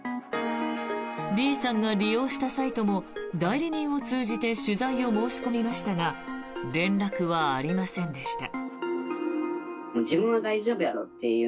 Ｂさんが利用したサイトも代理人を通じて取材を申し込みましたが連絡はありませんでした。